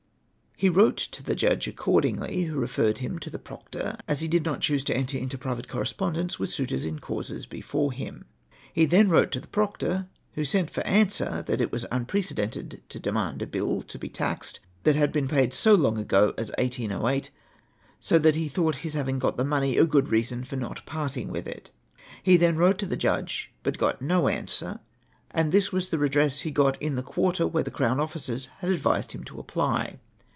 He wrote to the Judge accordingly, who referred him to the Proctor, as he did not choose to enter into private correspondence Avith suitors in causes before him. He then wrote to the Proctor, who sent for answer that it was iinprecedented to demand a bill to be taxed that had been paid so long ago as 1808; so that he thought his having got the money a good reason for not parting with it. He then wrote to tlie Judge but got no answer, and this was the redress he got in MOTIOX AGREED TO, 195 the qii^irter where tlie crown law officers liad advised him to apply.